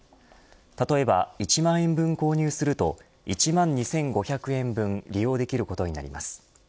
例えば、１万円分購入すると１万２５００円分利用できることになります。